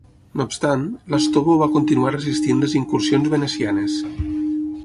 No obstant, Lastovo va continuar resistint les incursions venecianes.